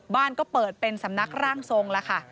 บ้านก็เปิดเป็นสำนักร่างทรงแล้วค่ะ